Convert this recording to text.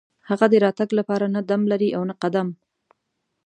هغه د راتګ لپاره نه دم لري او نه قدم.